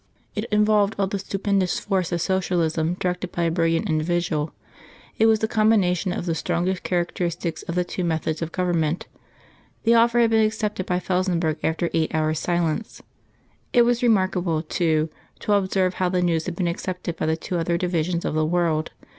It involved all the stupendous force of Socialism directed by a brilliant individual. It was the combination of the strongest characteristics of the two methods of government. The offer had been accepted by Felsenburgh after eight hours' silence. It was remarkable, too, to observe how the news had been accepted by the two other divisions of the world.